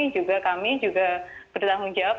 juga kami juga bertanggung jawab